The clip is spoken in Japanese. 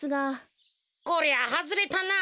こりゃはずれたな。